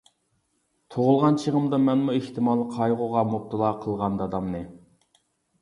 تۇغۇلغان چېغىمدا مەنمۇ ئېھتىمال، قايغۇغا مۇپتىلا قىلغان دادامنى.